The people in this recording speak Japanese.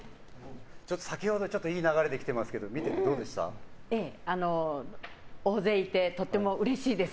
先ほど、いい流れで来てますが大勢いてとっても嬉しいです。